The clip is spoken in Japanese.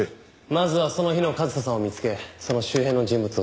まずはその日の和沙さんを見つけその周辺の人物をチェックする。